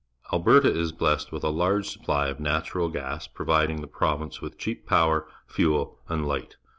Alberta is blessed with a large supply of natural gas, providing the province with cheap power, fuel, and hght.